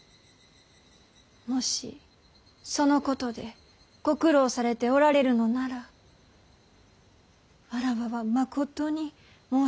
もしそのことでご苦労されておられるのなら妾はまことに申し訳なく。